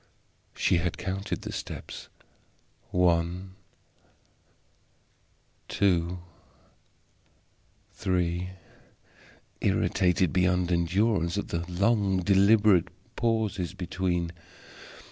She had counted the steps one two three irritated beyond endurance at the long deliberate pauses between.